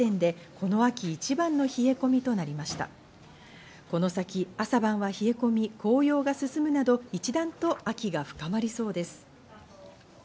この先、朝晩は冷え込み、紅葉が進むなど、一段と秋が深まりそうです。